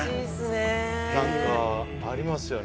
何かありますよね